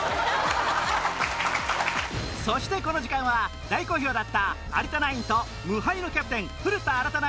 そしてこの時間は大好評だった有田ナインと無敗のキャプテン古田新太